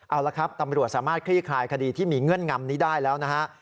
เอาละครับตำรวจสามารถคลี่คลายคดีที่มีเงื่อนงำนี้ได้แล้วนะฮะ